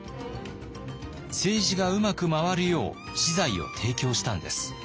政治がうまく回るよう私財を提供したんです。